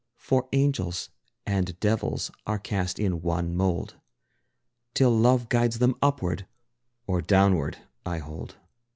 For angels and devils are cast in one mold, Till love guides them upward, or downward, I hold.